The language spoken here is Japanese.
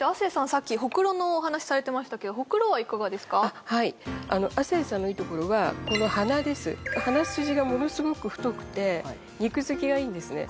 さっきホクロのお話されてましたけど亜生さんのいいところはこの鼻です鼻筋がものすごく太くて肉付きがいいんですね